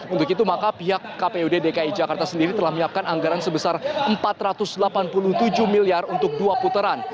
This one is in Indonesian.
untuk itu maka pihak kpud dki jakarta sendiri telah menyiapkan anggaran sebesar rp empat ratus delapan puluh tujuh miliar untuk dua putaran